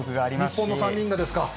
日本の３人がですか？